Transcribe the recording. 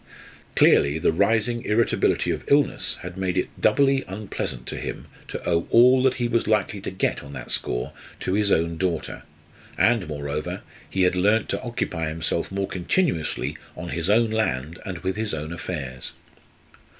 Clearly the rising irritability of illness had made it doubly unpleasant to him to owe all that he was likely to get on that score to his own daughter; and, moreover, he had learnt to occupy himself more continuously on his own land and with his own affairs.